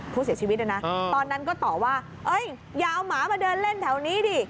ผู้เสียชีวิตนะนะตอนนั้นก็ตอบว่าอย่าเอาหมามาเดินเล่นแถวนี้ดิ